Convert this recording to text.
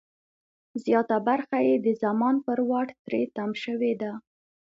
زیاته برخه یې د زمان پر واټ تری تم شوې ده.